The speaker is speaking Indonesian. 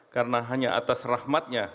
karena hanya atas rahmatnya